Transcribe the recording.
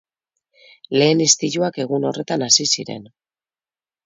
Lehen istiluak egun horretan hasi ziren.